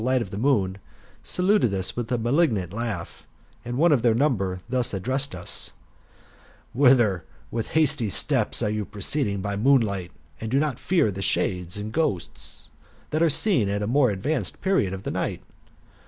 I03 light of the moon, saluted us with a malignant laugh ; and one of their number thus addressed us: '* Whither, with hasty steps, are you proceeding by moonlight, and do not fear the shades and ghosts that are seen at a more advanced period of » the night?